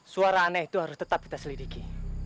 suara aneh itu harus tetap kita selidiki